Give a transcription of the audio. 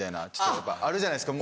やっぱあるじゃないですか。